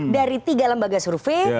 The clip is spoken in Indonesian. dari tiga lembaga survei